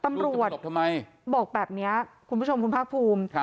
ตำรวจบอกแบบเนี้ยคุณผู้ชมคุณภาคภูมิ